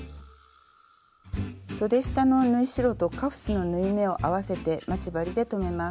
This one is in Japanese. そで下の縫い代とカフスの縫い目を合わせて待ち針で留めます。